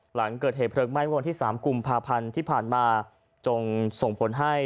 หลังเกิดเหตุเพลิงไหม้วันที่๓กลุ่มภาพันธ์ที่ผ่านมา